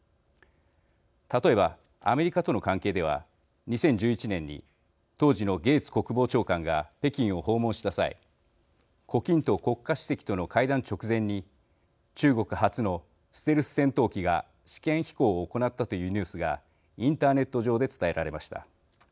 例えば、アメリカとの関係では２０１１年に当時のゲーツ国防長官が北京を訪問した際胡錦涛国家主席との会談直前に中国初のステルス戦闘機が試験飛行を行ったというニュースがインターネット上で伝えられました。